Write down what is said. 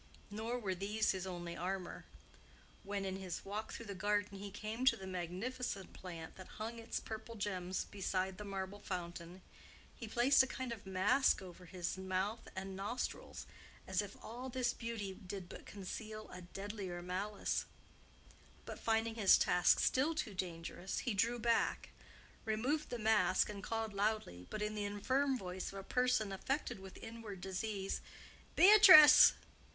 Nor were these his only armor. When, in his walk through the garden, he came to the magnificent plant that hung its purple gems beside the marble fountain, he placed a kind of mask over his mouth and nostrils, as if all this beauty did but conceal a deadlier malice; but, finding his task still too dangerous, he drew back, removed the mask, and called loudly, but in the infirm voice of a person affected with inward disease, "Beatrice!